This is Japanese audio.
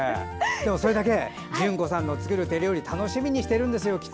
でもそれだけ淳子さんの作る手料理を楽しみにしているんですよ。